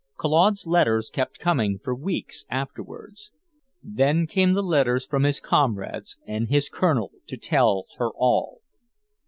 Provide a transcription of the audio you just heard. Claude's letters kept coming for weeks afterward; then came the letters from his comrades and his Colonel to tell her all.